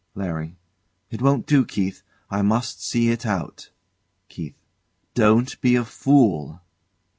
LARRY. It won't do, Keith. I must see it out. KEITH. Don't be a fool!